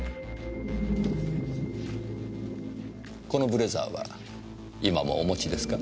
このブレザーは今もお持ちですか？